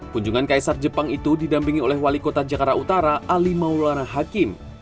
kunjungan kaisar jepang itu didampingi oleh wali kota jakarta utara ali maulana hakim